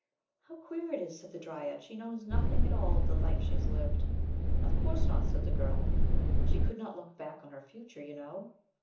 "How queer it is!" said the dryad. "She knows nothing at all of the life she has lived." "Of course not," said the girl, "she could not look back on her future, you know."